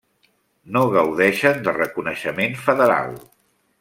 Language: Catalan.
No gaudeixen de reconeixement federal.